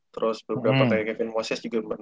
terus belom dapet kayak kevin moses juga gimana